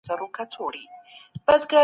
تاسو بايد د پوهي په برکت خپل هېواد سيال کړئ.